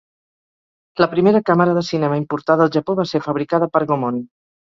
La primera càmera de cinema importada al Japó va ser fabricada per Gaumont.